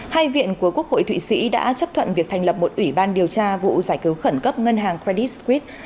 hai viện của quốc hội thụy sĩ đã chấp thuận việc thành lập một ủy ban điều tra vụ giải cứu khẩn cấp ngân hàng credis sque